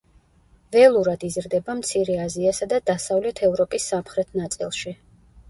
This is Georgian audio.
ველურად იზრდება მცირე აზიასა და დასავლეთ ევროპის სამხრეთ ნაწილში.